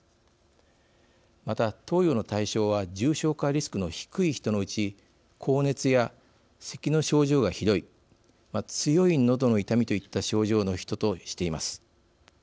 また、投与の対象は重症化リスクの低い人のうち高熱や、せきの症状がひどい強いのどの痛みといった症状の人としています。